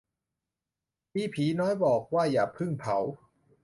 ผีน้อยบอกว่าอย่าเพิ่งเผา